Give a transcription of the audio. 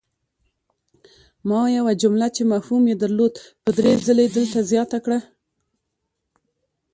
ما یوه جمله چې مفهوم ېې درلود په دري ځلې دلته زیاته کړه!